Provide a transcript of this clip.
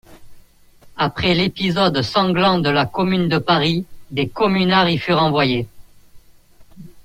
Après l'épisode sanglant de la Commune de Paris, des communards y furent envoyés.